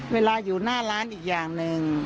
เวลาอยู่หน้าร้านอีกอย่างหนึ่ง